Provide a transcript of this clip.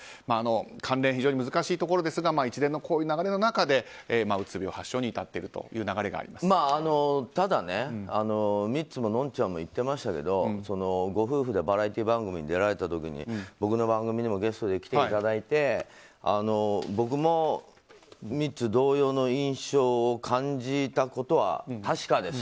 関連は非常に難しいところですが一連のこういう流れの中でうつ病発症に至っているというただね、ミッツものんちゃんも言ってましたけど、ご夫婦でバラエティー番組に出られていた時に僕の番組にもゲストで来ていただいて僕もミッツ同様の印象を感じたことは確かです。